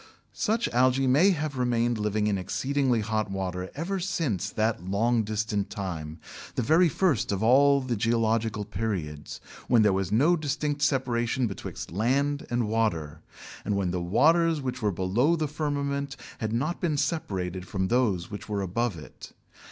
Such algæ may have remained living in exceedingly hot water ever since that long distant time, the very first of all the geological periods, when there was no distinct separation betwixt land and water, and when the waters which were below the firmament had not been separated from those which were above it.